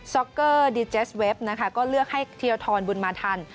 ็อกเกอร์ดีเจสเว็บนะคะก็เลือกให้เทียทรบุญมาทัน